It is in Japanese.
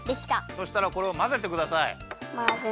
そしたらこれをまぜてください。